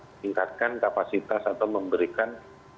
meningkatkan kapasitas atau memberikan